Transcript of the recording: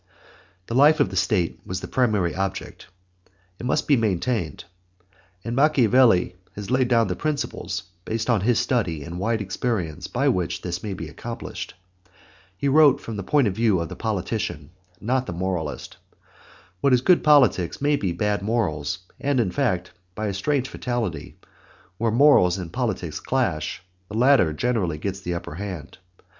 The life of the State was the primary object. It must be maintained. And Machiavelli has laid down the principles, based upon his study and wide experience, by which this may be accomplished. He wrote from the view point of the politician, not of the moralist. What is good politics may be bad morals, and in fact, by a strange fatality, where morals and politics clash, the latter generally gets the upper hand.